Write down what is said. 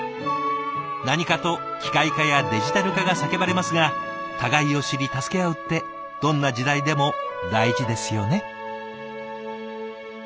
何かと機械化やデジタル化が叫ばれますが互いを知り助け合うってどんな時代でも大事ですよね。